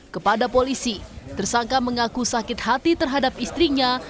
kepada polisi tersangka mengaku sakit hati terhadap istrinya